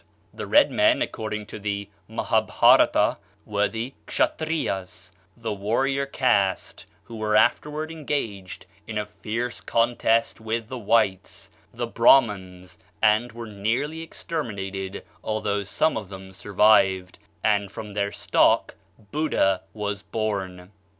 The red men, according to the Mahâbhârata, were the Kshatriyas the warrior caste who were afterward engaged in a fierce contest with the whites the Brahmans and were nearly exterminated, although some of them survived, and from their stock Buddha was born.